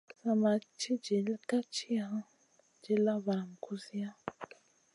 Sa ma ci dill ka tiya, dilla valam kusiya.